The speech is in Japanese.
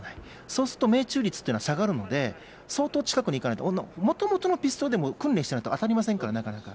そうすると命中率っていうのは、下がるので、相当近くに行かないと、もともとのピストルでも訓練してないと当たりませんから、なかなか。